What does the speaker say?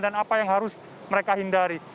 dan apa yang harus mereka hindari